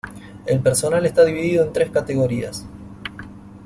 El personal está dividido en tres categorías.